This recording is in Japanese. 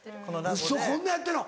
ウソこんなやってんの。